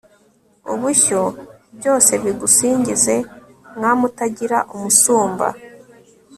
ubushyo, byose bigusingize, mwami utagira umusumba